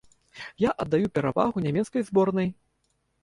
Я аддаю перавагу нямецкай зборнай.